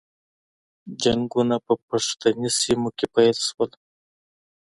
جنګونه په پښتني سیمو کې پیل شول.